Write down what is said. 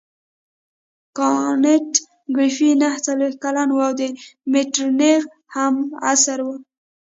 کانت ګریفي نهه څلوېښت کلن وو او د مټرنیخ همعصره وو.